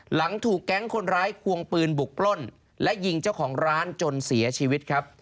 หลังถูกแก๊งคนร้ายควงปืนบุกปล้นและยิงเจ้าของร้านจนเสียชีวิตครับ